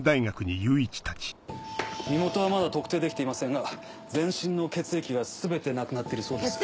身元はまだ特定できていませんが全身の血液が全てなくなっているそうです。